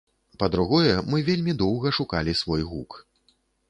Па-другое, мы вельмі доўга шукалі свой гук.